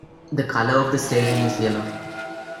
The color of the station is yellow.